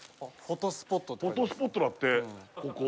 フォトスポットだってここ。